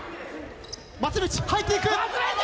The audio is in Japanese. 松道入っていく。